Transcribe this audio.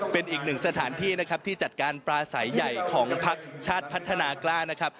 เป็นอีกหนึ่งสถานที่นะครับที่จัดการปลาสายใหญ่ของพักชาติพัฒนากล้านะครับ